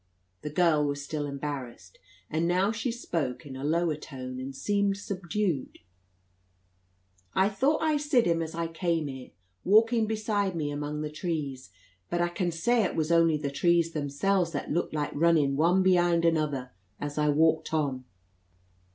The girl was still embarrassed; and now she spoke in a lower tone, and seemed subdued. "I thought I sid him as I came here, walkin' beside me among the trees; but I consait it was only the trees themsels that lukt like rinnin' one behind another, as I walked on."